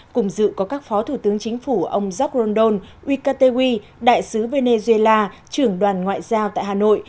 cùng dự có các phó thủ tướng chính phủ ông jock rondon wicca tewi đại sứ venezuela trưởng đoàn ngoại giao tại hà nội